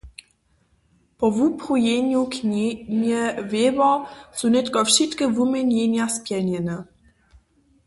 Po wuprajenju knjenje Weber su nětko wšitke wuměnjenja spjelnjene.